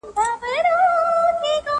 له هغې ورځي پيشو له ما بېرېږي!!